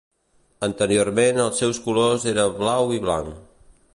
Anteriorment els seus colors eren blau i blanc.